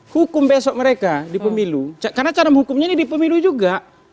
hukum besok mereka di pemilu karena cara hukumnya ini di pemilu juga